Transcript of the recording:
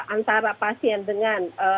antara pasien dengan